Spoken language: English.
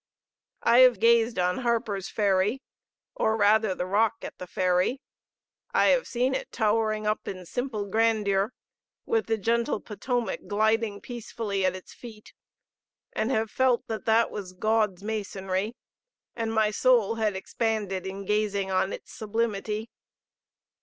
I have gazed on Harper's Ferry, or rather the rock at the Ferry; I have seen it towering up in simple grandeur, with the gentle Potomac gliding peacefully at its feet, and felt that that was God's masonry, and my soul had expanded in gazing on its sublimity.